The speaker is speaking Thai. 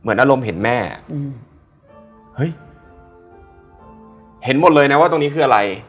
อารมณ์เห็นแม่อืมเฮ้ยเห็นหมดเลยนะว่าตรงนี้คืออะไร